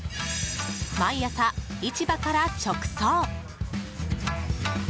毎朝市場から直送。